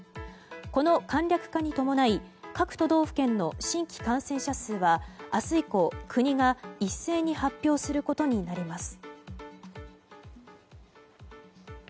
この簡略化に伴い各都道府県の新規感染者数は明日以降、国が一斉に発表することになります。